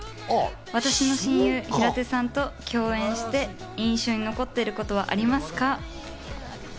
私の親友、平田さんと共演して印象に残っていることはありますか？